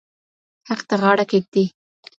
حق ته غاړه کېږدئ.